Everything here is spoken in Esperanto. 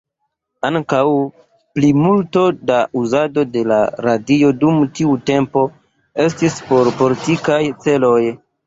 Ankaŭ plimulto da uzado de la radio dum tiu tempo estis por politikaj celoj.